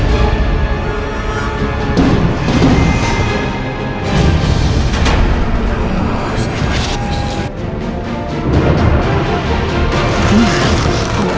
tunggu banget sih bu